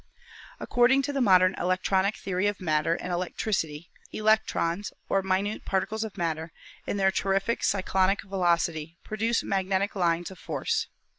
Ac cording to the modern electronic theory of matter and electricity, ''electrons," or minute particles of matter, in their terrific cyclonic velocity produce magnetic lines of force.